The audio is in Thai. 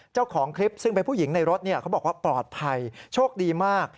เจ้าของคลิปซึ่งเป็นผู้หญิงในรถเขาบอกว่าปลอดภัยโชคดีมาก